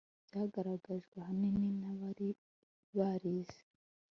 byagaragajwe ahanini n'abari barize